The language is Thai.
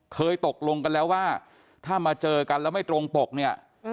ตกลงกันแล้วว่าถ้ามาเจอกันแล้วไม่ตรงปกเนี่ย